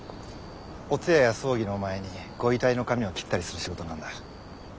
お通夜や葬儀の前にご遺体の髪を切ったりする仕事なんだ。